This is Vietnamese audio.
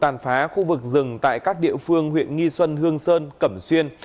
đàn phá khu vực rừng tại các địa phương huyện nhi xuân hương sơn cẩm xuyên